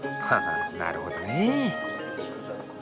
なるほどね。